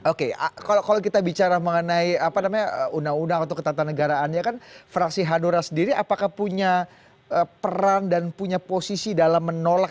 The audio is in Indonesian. oke kalau kita bicara mengenai undang undang atau ketatanegaraannya kan fraksi hanura sendiri apakah punya peran dan punya posisi dalam menolak